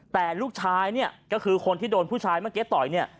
แต่ลูกชายเนี่ยก็คือคนที่โดนผู้ชายเมื่อกี้ต่อยเนี่ย